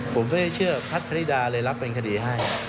ผมไม่ได้เชื่อพัทธริดาเลยรับเป็นคดีให้